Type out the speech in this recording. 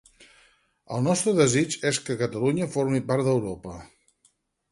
El nostre desig és que Catalunya formi part d'Europa.